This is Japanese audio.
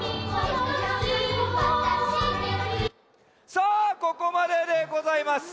さあここまででございます。